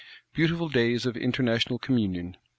Beautiful days of international communion!